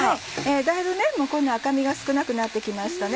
だいぶこんな赤みが少なくなって来ましたね。